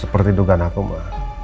seperti dugaan aku ma